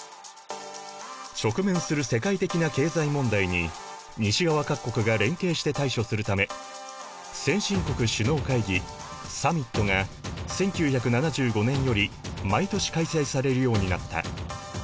直面する世界的な経済問題に西側各国が連携して対処するため先進国首脳会議サミットが１９７５年より毎年開催されるようになった。